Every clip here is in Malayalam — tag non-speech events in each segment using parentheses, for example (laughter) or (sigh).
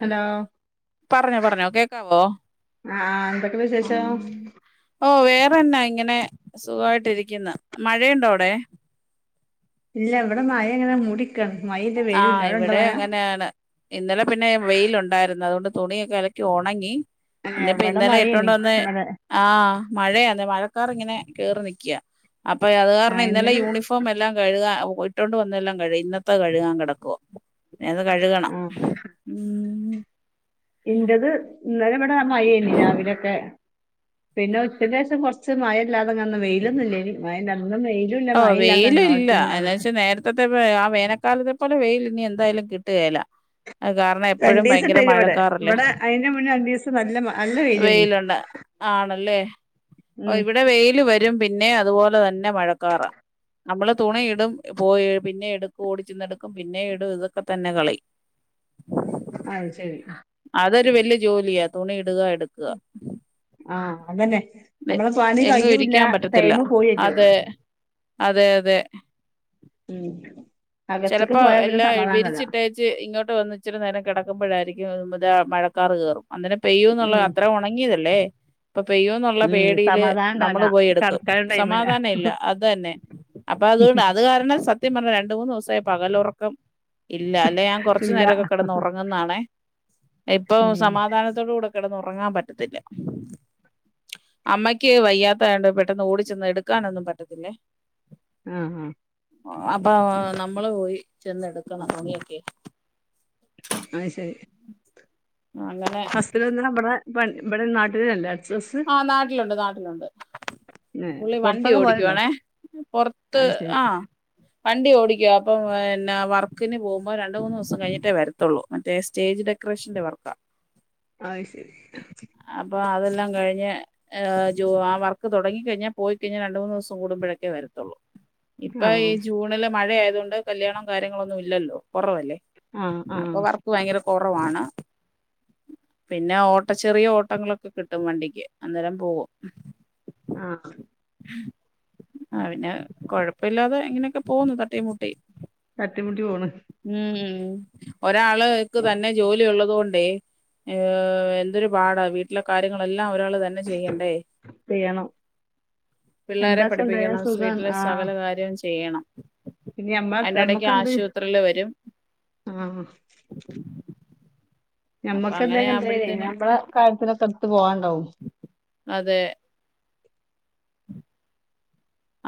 ഹലോ പറഞ്ഞോ പറഞ്ഞോ കേക്കാവോ ആഹ് എന്തൊക്കെ വിശേഷം ഓ വേറെന്നാ ഇങ്ങനെ സുഖമായിട്ടി രിക്കുന്ന് മഴയുണ്ടോ അവിടെ ഇല്ല ഇവിടെ മഴ ഇങ്ങനെ മൂടിയ്ക്കാണ് ആ ഇവിടെ അങ്ങനെയാണ് ഇന്നലെ പിന്നെ വെയിലൊ ണ്ടായിരുന്നു അതുകൊണ്ട് തുണിയൊക്കെ അലക്കി ഒണങ്ങി ഏഹ് ഇന്നിപ്പ ഇവിടെ ഇന്നലെ മഴേനി ഇട്ടൊണ്ടെ വന്നേ ഇന്നലെ ആ മഴയാന്നേ മഴ ക്കാർ ഇങ്ങനെ കേറി നിക്യ അപ്പൊ അത് കാരണം ഇന്നലെ യൂണിഫോം എല്ലാം കഴുകാ ഒ പോയിട്ടോണ്ട് വന്നെല്ലാം കഴി ഇന്നത്തെ കഴ് കുവാൻ കിടക്കുവാ ഇനി അത് കഴുകണം ഇൻ്റത് ഇന്നലെ ഇവിടാ മഴയേനി രാവിലൊക്കെ പിന്നെ ഉച്ചക്കേശം കുറച്ച് മഴ ഇല്ലാതെന്ന വെയിലൊന്നില്ലേ മയണ്ട ഓ വെയില ഇല്ല എന്ന് വെച്ചാ നേരത്തെത്തെ ആ വേനക്കാലത്തെ പോലെ വെയിൽ ഇനി എന്തായാലും കിട്ടുകല അ കാരണം എപ്പോഴും രണ്ടീസം ഭയങ്കര ഇണ്ടായിനി ഇവിടെ മഴക്കാറല്ലേ ഇവിടെ അയിന്റെ മുന്നേ രണ്ടീസം നല്ല മ- നല്ല വെയിലേനി വെയിലുണ്ട് ആണല്ലേ ഓ ഉം ഇവിടെ വെയില് വരും പിന് പിന്നെ അതുപോലെ തന്നെ മഴ കാറാ നമ്മള് തുണിയിടും പോയി പിന്നെ എടുക്കും ഓടിച്ചെന്നെടുക്കും പിന്നെ ഇടും ഇതൊക്കെ തന്നെ കളി അ ശരി അതൊരു വല്യ ജോലിയാ തുണി ഇടുക എടുക്കുക ആ അങ്ങനെ എ- നമ്മടെ പണി എങ്ങും കഴ്യൂല്ല ഇരിക്കാൻ പറ്റത്തില്ല ടൈമ് പോയിറ്റു അതെ അതെ അതെ ഉം അകത്ത്ക്ക് ചിലപ്പോ പോയാ പിന്നെ എല്ലാം സമാധാനല്ല വിരിച്ചിട്ടേച്ച് ഇങ്ങോട്ട് വന്നി ച്ചിരി നേരം കിടക്കുമ്പോഴായിരിക്കും ഉം ഇവിടെ മഴക്കാർ കയറും അന്നരം പെയ്യൂന്നുള്ള ഉം അത്ര ഉണങ്ങിയതല്ലേ ഇപ്പൊ പെയ്യോന്നുള്ള ഉം പേടിയില് സമാധാനം ഉണ്ടാവില്ല നമ്മള് പോയി എടുക്കും കടക്കാനും ടൈമില്ല സമാധാന ഇല്ല അത് തന്നെ അപ്പൊ അത് അത് കാരണം സത് പറഞ്ഞ രണ്ട് മൂന്ന് ദിവസം പകലുറക്കം ഇല്ല അല്ല ഞാൻ കുറച്ചു ഇല്ല നേരൊക്കെ കിടന്ന് ഉറങ്ങുന്നാണേ ഇപ്പൊ ഉം സമാധാനത്തോട കൂടെ കിടന്നുറങ്ങാൻ പറ്റത്തില്ല അമ്മക്ക് വയ്യാത്തണ്ട് പെട്ടെന്ന് ഓടി ചെന്ന് എടുക്കാനൊന്നും പറ്റത്തില്ലേ ആ ആ അപ്പ നം നമ്മള് പോയി ചെന്നെടുക്കണം അങ്ങിയൊക്കെ ആ ശരി അങ്ങനെ (unintelligible) നമ്മുടെ ഇവിടെ നാട്ടിലല്ല ഹസ്സ് ആഹ് നാട്ടിലുണ്ട് നാട്ടിലുണ്ട് പുള്ളി വണ്ടി പുറത്തൊക്കെ പോവലുണ്ടോ ഓടിക്കുവാണേ പൊറത്ത് അത് ശരി ആ വണ്ടി ഓടിക്കുക അപ്പം പിന്ന വർക്കിന് പോകുമ്പോ രണ്ട് മൂന്ന് ദിവസം കഴിഞ്ഞിട്ടേ വരത്തുള്ളൂ മറ്റേ സ്റ്റേജ് ഡെക്കറേഷന്റെ വർക്കാ അ ശരി എല്ലാ കൈഞ് (unintelligible) ആ വർക്ക് തുടങ്ങി കഴിഞ്ഞാൽ പോയി കഴിഞ്ഞാൽ രണ്ട മൂന്ന് ദിവസം കൂടുമ്പോഴൊക്കെ വരത്തുള്ളൂ ഇപ്പൊ ഈ ആഹ് ജൂണില് മഴയായതുകൊണ്ട് കല്യാണം കാര്യങ്ങളൊന്നും ഇല്ലല്ലോ കുറവല്ലേ മ്മ്ഹ് അപ്പൊ മ്മ്ഹ് വർക്ക് ഭയങ്കര കുറവാണ് പിന്നെ ഓട്ട ചെറിയ ഓട്ടങ്ങളൊക്കെ കിട്ടും വണ്ടിക്ക് അന്നരം പോവും ആ ആ പിന്നെ കൊഴപ്പമില്ലാതെ ഇങ്ങനെയൊക്കെ പോകുന്നു തട്ടിം മുട്ടിം തട്ടിമുട്ടി പോണ് ഉം ഒരാൾക്ക് തന്നെ ജോലി ഉള്ളതു കൊണ്ടേ ഏ എന്തൊരു പാടാ വീട്ടിലെ കാര്യങ്ങളെല്ലാം ഒരാൾ ചെയ്യണ്ടേ ചെയ്യണം പിള്ളേരെ രണ്ടാസം ഉണ്ടായ പഠിപ്പിക്കണം സുഖാണ് വീട്ടിലെ ആഹ് സകല കാര്യം ചെയ്യണം പിന്നെ ഞമ്മ അതിന്റെടക്ക് ഞമ്മക്കെന്ത് ആശുപത്രിയില് വരും ആഹ് അപ്പൊ നമ്മക്ക് അങ്ങനെ എന്തൊക്കെ എന്ത ആവുമ്പോഴത്തേനും നമ്മടെ കാര്യത്തി (unintelligible) അതെ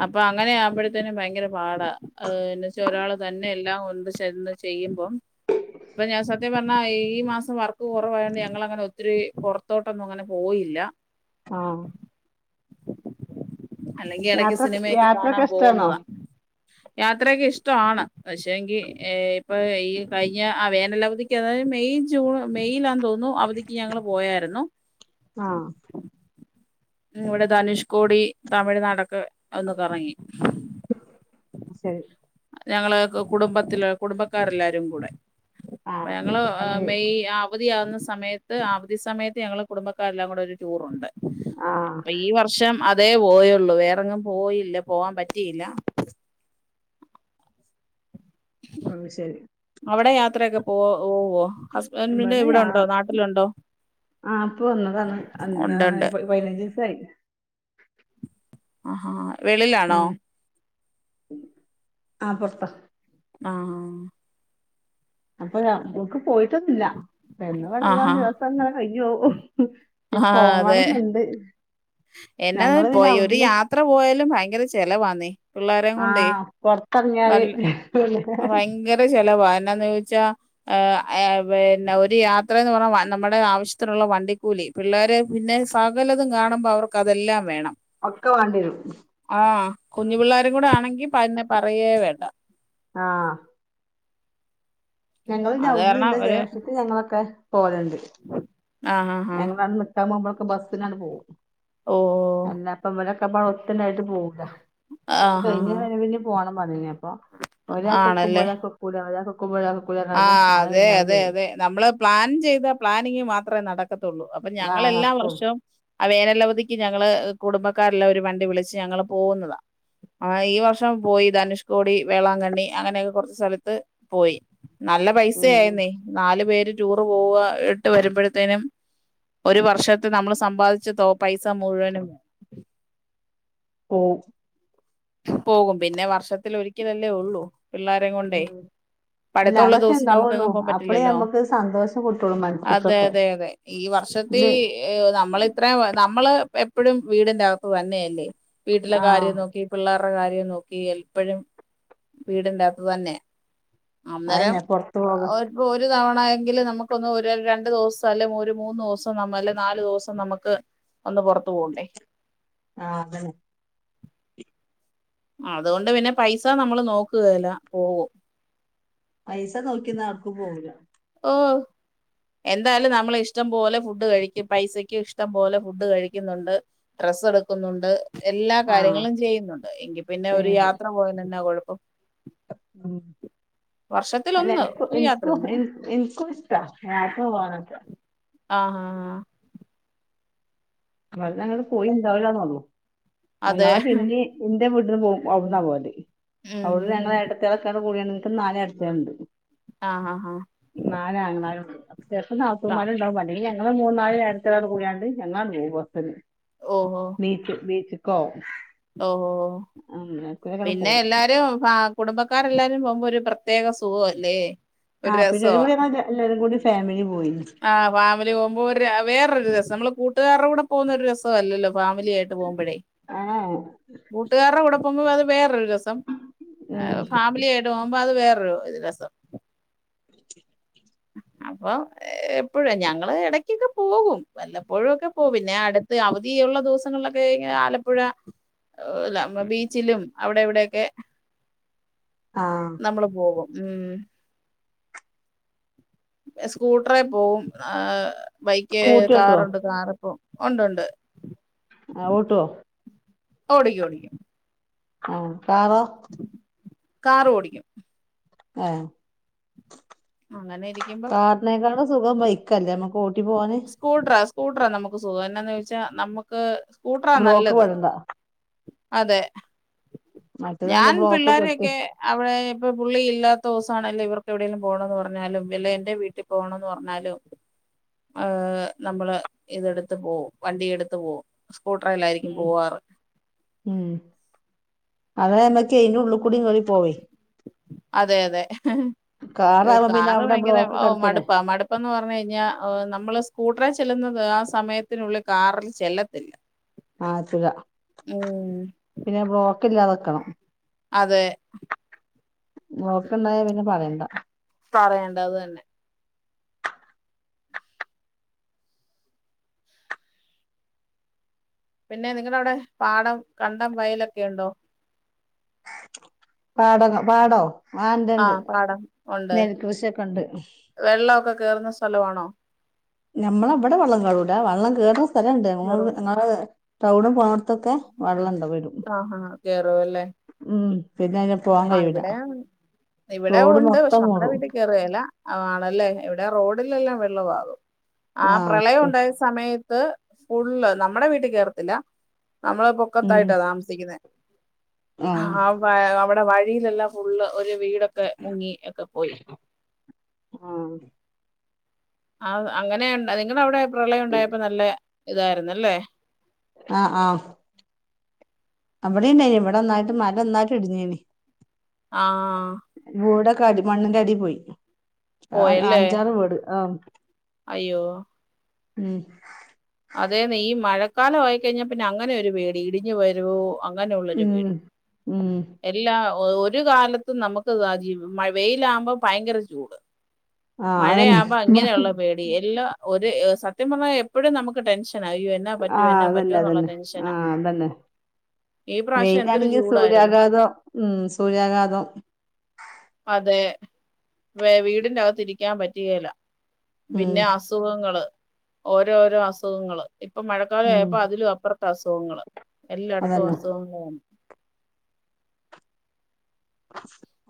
അപ്പൊ അങ്ങനെ ആമ്പഴത്തേനും ഭയങ്കര പാടാ ഏ എന്നന്ന് വെച്ചാ ഒരാള് തന്നെ എല്ലാം ഒന്ത് ചന്ന് ചെയ്യുമ്പം അപ്പൊ ഞാൻ സത്യം പറഞ്ഞാ ഈ മാസം വർക്ക് കുറവായണ്ട് ഞങ്ങ അങ്ങനെ ഒത്തിരി പുറത്തോട്ടൊന്നും അങ്ങനെ പോയില്ല ആ അല്ലെങ്കി ഇടക്ക് യാത്ര സിനിമയൊക്കെ യാത്രയൊക്കെ കാണാൻ ഇഷ്ടാണോ പോകുന്നതാണ് യാത്രയക്കെ ഇഷ്ടമാണ് പക്ഷെങ്കി ഇപ്പൊ ഈ കഴിഞ്ഞ വേനല അവധിക്ക് അതായത് മെയ ജൂൺ മെയ്‌ലാ തോന്നുന്നു അവധിക്ക് ഞങ്ങള് പോയരുന്നു ആഹ് ഉം ഇവിടെ ധനുഷ് കോടി തമിഴ്നാടൊക്കെ ഒന്ന് കറങ്ങി ശരി ഞങ്ങള് കുടുംബത്തില കുടുംബക്കാരെല്ലാരും കൂടെ അ ആഹ് ഞങ്ങള് ഫാമിലി മെയ് അവധിയ ആവുന്ന സമയത്ത് അവധി സമയത്ത് ഞങ്ങൾ കുടുംബക്കാരെല്ലാം കൂടെ ഒരു ടൂറുണ്ട് ആഹ് അപ്പൊ ഈ വർഷം അ തേ പോയുള്ളു വേറെങ്ങും പോയില്ല പോവാൻ പറ്റിയില്ല അത് ശരി അവിടെ യാത്രൊക്കെ പോഓ ഇവിടെ നാട്ടിലുണ്ടോ ആ ഇപ്പൊ വന്നതാണ് ഉണ്ട് എന്താണ് ഉണ്ട് പതിനഞ്ച് ദിവസായി ആഹാ വെളിലാണോ ഉം ആ പുറത്താ ആ ആഹ് അപ്പൊ നക്ക് പോയിട്ടൊന്നില്ല പിന്നെ വടങ്ങാൻ ആഹാ ദിവസം അങ്ങനെ കഴിഞ്ഞേവും (unintelligible) പോവണമെന്നെയുണ്ട് എന്നെ പോയി ഒരു യാത്ര പോയാലും ഭയങ്കര ചെിലവാന്ന ആഹ് നല്ല പൊർത്തർങ്ങ്യാല് ഭയങ്കര ചല വാ എന്നാന്ന് ചോദിച്ചാ പിന്നെ ഒരു യാത്രേന്ന് പറഞ്ഞാ നമ്മുടെ ആവശ്യത്തിനുള്ള വണ്ടിക്കൂലി പിള്ളേരേ പിന്നെ സകലതും കാണുമ്പോ അവർക്ക് അതെല്ലാം വേണം ഒക്കെ വേണ്ടി വരും ആഹ് കുഞ്ഞു പിള്ളാരും കൂടെ ആണെങ്കി പ്പന്നെ പറയേ വേണ്ട ആഹ് ഞങ്ങള് പിന്നെ അത് അവിട്ന്ന് കാരണം പിന്നെ ഒരു ജേഷ്ടത്തി ഞങ്ങളൊക്കെ പോവല്ണ്ട് ആഹ് ആഹ് ആഹ് ഞങ്ങള (unintelligible) നിക്കാൻപോവുമ്പം ക്കെ ബസ്സിനാണ്ട് പോവും ഓഹ് അല്ല അപ്പം വടെ ല്ലപ്പ ഒത്ത്ണ്ടായിട്ട് പോവൂല്ല (unintelligible) ആഹ് ആഹ് കഴിഞ്ഞ് ആഹ് (unintelligible) പിന്നിം പോണം മ (unintelligible) അപ്പ ഒരാൾകൊക്കുമ്പോ ഒരാകൊക്കൂല ഒരാ കൊ ആ അതെ അതെ അതെ നമ്മള് പ്ലാൻ ചെയ്താ പ്ലാനിങ് മാത്രേ നട ക്കത്തുള്ളൂ അപ്പൊ ആഹ് ഞങ്ങളെല്ലാ നടക്കും വർഷവും ആ വേനലവധിക്ക് ഞങ്ങള് കുടുംബക്കാരെല്ലാം ഒരു വണ്ടി വിളിച്ച് ഞങ്ങള് പോകുന്നതാ ആ ഈ വർഷം പോയി ധനുഷ്കോടി വേളാങ്കണ്ണി അങ്ങനെയൊക്കെ കുറച്ച് സ്ഥലത്ത് പോയി നല്ല ഉം ഉം പൈസയായന്നേ നാലു പേര് ടൂറ് പോവ ഇട്ട് വരുമ്പോഴത്തേനും ഒരു വർഷത്തെ നമ്മൾ സമ്പാദിച്ച തോ പൈസ മുഴുവനും ഓ പോകും പിന്നെ വർഷത്തിലൊരിക്കലല്ലേ ഉള്ളൂ പിള്ളാരേം കൊണ്ടേ ഉം അല്ല പഠിത്തവുള്ള അതൊക്കെ ദിവസം ഉണ്ടാവുള്ളൂ നമുക്കെങ്ങും പോകാൻ അപ്പളേ പറ്റില്ലല്ലോ നമ്മുക്ക് സന്തോഷം കിട്ടുള്ളൂ അതെ മനസ്സ്ക്കൊക്കെ അതെ അതെ ഈ വർഷത്തി ഇത് നമ്മളിത്രയും നമ്മള് എപ്പഴും വീടിന്റെകത്ത് തന്നെയ ല്ലേ വീട്ടിലെ ആഹ് കാര്യം നോക്കി ളാർടെ കാര്യം നോക്കി എപ്പഴും വീടിന്റെ അകത്ത് തന്നെ അന്നേരം അയന്നെ പൊറത്തു പോക ഒരു ഒരു തവ ണയെങ്കിൽ നമുക്കൊന്ന് ഒരു രണ്ടു ദിവസം അല്ലെ ഒരു മൂന്ന് ദിവസം ന അല്ലേ നാലു ദിവസം നമുക്ക് ഒന്ന് പുറത്തു പോണ്ടേ ആഹ് അതന്നെ ആ അതുകൊണ്ട് പിന്നെ പൈസ നമ്മള് നോക്കുകേല്ല പോവും പൈസ നോക്കിന്നാ ഒട്ക്കും പോവൂല ഓ എന്തായാലും നമ്മള് ഇഷ്ടം പോലെ ഫുഡ് കഴിക്കും പൈസക്ക് ഇഷ്ടം പോലെ ഫുഡ് കഴിക്കുന്നുണ്ട് ഡ്രസ്സ് എടുക്കുന്നുണ്ട് എല്ലാ ആഹ് കാര്യങ്ങളും ചെയ്യുന്നുണ്ട് എങ്കി പിന്നെ ഒരു യാത്ര പോയാലെന്നാകുഴ പ്പം ആ അല്ല വർഷത്തിലൊന്ന് എനിക്കു ഒരു യാത്ര ഇൻക്കു പിന്നെ ഇൻ ഇൻക്കു ഇഷ്ട യാത്ര പോവാനൊ ആഹ് ആഹ്ആഹ് ക്കള്ളൾ (unintelligible) പോയി ന്താവുല്ലാ ന്നുള്ളു അതെ എന്നാപിന്നി എന്റെ വീട്ട്ന്ന് പോവും ഔട്ന്നാ പോവല് ഉം അവിടുന്ന് ഉം ഞങ്ങൾ ഉം ഏട്ടത്ത്യേളെക്കെ കൂടിയാണ് പ്പന്നാല് ഏട്ടത്ത്യേള്ണ്ട് ആഹ് ആഹ് നാലാങ്ങളാരുണ്ട് (unintelligible) പ്പം നാത്തൂ ആഹ് മാരുണ്ടാവും അല്ലങ്കിഞങ്ങള് മൂന്നാല് ഏട്ടത്ത്യേളാണ്ട് കൂട്യാണ്ട് എന്നാ ലീവ് (inaudible) ബീച്ച് ബീച്ച് കൊ ഒ ഓ പിന്നെ പോവും എല്ലാരും ഫ കുടുംബക്കാരെല്ലാം ല്ലാരുപോകുമ്പോ ഒരു പ്രത്യേക സുഖൊല്ലേ. ആ പിന്നെ ഒരു കൂടി ഞങ്ങ എല്ലരും കൂടി ഫാമിലി പോയി ആഹ് ഫാമിലി പോകുമ്പോ ഒരു വേറൊരുരസ നമ്മള് കൂട്ടുകാരുടെ കൂടെ പോകുന്ന ഒരു ര സ്വവല്ലല്ലോ ഫാമിലി ആയിട്ട് പോകുമ്പോഴേ ഏഹ് കൂട്ടുകാരുടെ കൂടെ മ്പം അത് വേറെരു രസം ഉം ഫാമിലി പോകുമ്പോ അത് വേറൊരു ഇത് രസം അപ്പൊ എപ്പോഴും ഞങ്ങള് എടക്കൊക്കെ പോകും വല്ല ഒഴുവൊക്കെ പോവും പിന്നെ ആട അവധിയുള്ള ദിവസങ്ങളിലൊക്കെ ഇങ്ങനെ ആലപ്പുഴ ഏഹ് ല ബീച്ചിലും അവിടെ എവിടെ ക്കെ ആഹ് നമ്മള് പോകും. ഉം സ്കൂട്ടറെ പോവും ആ ബൈക്ക് സ്കൂട്ടി ഓട്ടോ കാറുണ്ട് കാറ് ഒ ഒണ്ടൊണ്ട് ആഹ് ഓട്ടോ ഓടിക്കും ഓടിക്കും അ പാറ കാറു ഓടിക്കും ആ അങ്ങനെ ഇരിക്കുമ്പോ സുഖം വൈക്കല്ലേ മക കോട്ടി പോവാന് സ്കൂട്ടറ നമ്മുക്ക് സുഖം എന്നാന്ന് വെച്ച നമ്മുക്ക് ബ്ലോക്ക്‌ വൽതാ അതെ മറ്റേതാവുമ്പോ ഞാൻ ബ്ലോക്ക് പെട്ട് പിള്ളോരെയൊക്കെ അവിടെ ഇപ്പൊ പുള്ളി ഇല്ലാത്ത ദിവസാണേലും ഇവർക്ക് എവിടെലും പോകണന്ന് പറഞ്ഞാലും വല്ല എന്റെ വീട്ടിൽ പോകണംന്ന് പറഞ്ഞാലും ആ നമ്മൾ ഇതെടുത്ത് പോവും വണ്ടി എടുത്ത് പോവും സ്കൂട്ടറേലായിരിക്കും ഉം പോവാറ് ഉം അതേ നമ്മക്ക് അതെ അതെ ഹ് ഹ് കാറാവുമ്പോ പിന്നെ കാറ് അവിടെ ഭയങ്കര ബ്ലോക്ക് കിടക്കനെ മടുപ്പാ മടുപ്പന്ന് പറഞ്ഞ കഴിഞ്ഞാൽ നമ്മൾ സ്കൂട്ടർ ചെല്ലുന്നത് ആ സമയത്തിനുള്ളി കാറിൽ ചെല്ലത്തില്ല ആ എത്തൂല ഉം പിന്നെ ബ്ലോക്ക് ഇല്ലാത കണം അതെ നോക്കണ്ടായ പിന്നെ പറയണ്ട പറയേണ്ടത് തന്നെ പിന്നെ നിങ്ങടെ അവിടെ പാടം കണ്ടം വയലൊക്കെ ഒണ്ടോ പാടകം പാടോ ആ പാടം ഒണ്ട് നെൽകൃഷിയൊക്കെ ഉണ്ട് വെള്ളോക്കെ കെറുന്ന സ്ഥലമാണോ ഞമ്മള അവിടെ വെള്ളം കേറൂല വെള്ളം കേറുന്ന സ്ഥലണ്ട് കേറൂല. ഞങ്ങൾ തൗഡ് പോകത്തൊക്കെ വെള്ളെണ്ട് ആ ഹാ കേറോ അല്ലേ ഉം പിന്നെ അതിന് പോവാൻ ആ കഴിയൂല ഇവിടെ ഇവിടെ റോഡ് ഒണ്ട് പക്ഷെ മൊത്തം നമ്മടെ മൂടും വീട്ടിൽ കേറുകെല്ലാ ആളല്ലേ ഇവിടെ റോഡിൽ എല്ലാം വെള്ളവാകും ആ ആഹ് പ്രളയം പി ഉണ്ടായ സമയത്ത് ത് ഫുള് നമ്മടെ വീട്ടിൽ കേറത്തില്ല നമ്മള ഉം പൊക്കത്തായിട്ടാ താമസിക്കുന്ന ആഹ് ഹാ ഭയ അവ വഴിയിലല്ലാ ഫുള്ള് ഒരു വീടൊക്കെ മുങ്ങി ഒക്കെ പോയി ആഹ് ആ അങ്ങനെ നിങ്ങളവിടെ പ്രളയം ഉണ്ടായപ്പോ നല്ല ഇതായിരുന്നല്ലേ ആഹ് ആഹ് അവിടെ ഉണ്ടായിനി ഇവിടെ നന്നായിട്ട് മല നന്നായിട്ട് ഇടിഞ്ഞേനി ആഹ് ക്കേ അടി മണ്ണിന്റെ അടി പോയി ആ പോയല്ലേ അഞ്ചാറ് വീട് ആഹ് അയ്യോ ഉം അതേന്നെ ഈ മഴക്കാലം ആയിക്കഴിഞ്ഞാ പിന്നെ അങ്ങനൊരു പേടി ഇടിഞ്ഞ് വരുവോ അങ്ങനെയുള്ളൊരു ഉം പേടി ഉം എല്ലാം ഒരു കാലത്തും നമുക്ക് ദാ ജീവ് മ വെയിലാകുമ്പോ ഭയങ്കര ചൂട് ആഹ് അതന്നെ മഴയാവുപ അങ്ങനെയൊള്ള പേടി എല്ലാം ഒരു സത്യം പറഞ്ഞാൽ എപ്പൊഴും നമു ക്ക്‌ ടെൻഷ് ആഹ് അതെന്നെ അതെന്നെ ആഹ് അതന്നെ ഈ പ്രാവശ്യം എന്തൊരു വെയിലാണെങ്കിൽ ചൂടായിരുന്നു സൂര്യാഘാതം ഉം സൂര്യാഘാതം അതെ വെ വീടിന്റകത്ത് ഇരിക്കാൻ പറ്റുകേല്ല ഉം പിന്നെ അസുഖങ്ങള് ഓരോ ഓരോ അസുഖങ്ങള് ഇപ്പൊ മഴക്കാലം ഉം ആയപ്പോ അതിലും അപ്പുറം അസുഖങ്ങൾ എല്ലായിടത്തു അതന്നെ അസുഖങ്ങൾ ആണ്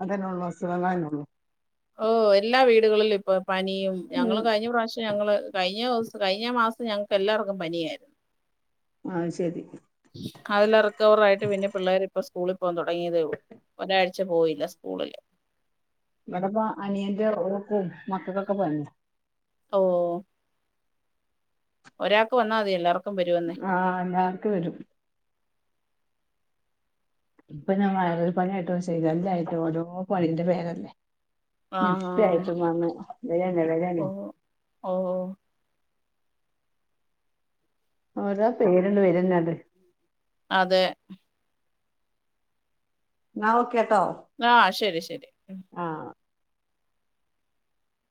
അതന്നെ ഉള്ളൂ അസുഖന്നെ ഉള്ളൂ ഓ എല്ലാ വീടുകളിലും ഇപ്പൊ പനിയും ഞങ്ങള് ഉം കഴിഞ്ഞ പ്രാവശ്യം ഞങ്ങള് കഴിഞ്ഞ ദിവസം കഴിഞ്ഞ മാസം ഞങ്ങക്ക് എല്ലാർക്കും പനിയായിര്ന്നു ആഹ് ശെരി അതെല്ലാം റിക്കവർ ആയിട്ട് പിന്നെ പിള്ളേര് ഇപ്പ സ്കൂളിൽ ലെ ഇപ്പ തുടങ്ങിയതേള്ളു ഒരാഴ്ച പോയില്ല സ്കൂളില് ഇവിടുപ്പ അനിയന്റെ ഒക്കും മക്കക്കൊക്കെ പനിയാ ഓ ഒരാക്ക് വന്നാ മതി എല്ലാർ ആ എല്ലാർക്കും വരും ഇപ്പൊ ഞാൻ വൈറൽ പനിയായിട്ടും ശിഗല്ലായിട്ടും ഓരോ പനിന്റെ പേരല്ലേ ആഹാ നിപ്പയിട്ടും വന്ന് വരന്നെ ഓ വരന്നെ ഓ ഓരോ പേരണ് വരുന്നത്. അതെ ന്നാ ഓക്കെ ആ ശരി ശ ശരി ആഹ്